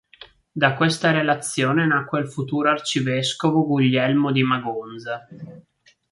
Da questa relazione nacque il futuro arcivescovo Guglielmo di Magonza.